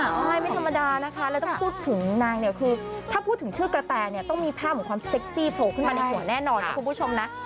ใช่ไม่ธรรมดานะคะแล้วต้องพูดถึงนางเนี่ยคือถ้าพูดถึงชื่อกระแตเนี่ยต้องมีภาพของความเซ็กซี่โผล่ขึ้นมาในหัวแน่นอนนะคุณผู้ชมนะ